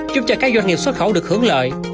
giúp cho các doanh nghiệp xuất khẩu được hưởng lợi